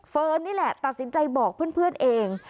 นี่แหละตัดสินใจบอกเพื่อนเอง